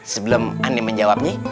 sebelum aneh menjawabnya